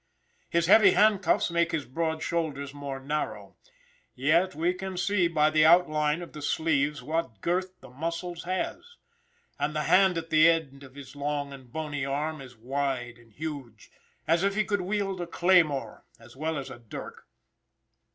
His heavy handcuffs make his broad shoulders more narrow. Yet we can see by the outline of the sleeves what girth the muscles has, and the hand at the end of his long and bony arm is wide and huge, as if it could wield a claymore as well as a dirk.